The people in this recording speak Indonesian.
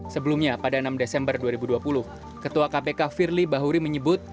sebelumnya pada enam desember dua ribu dua puluh ketua kpk firly bahuri menyebut